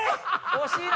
惜しいな！